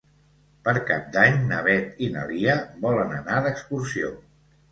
Per Cap d'Any na Beth i na Lia volen anar d'excursió.